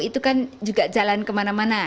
itu kan juga jalan kemana mana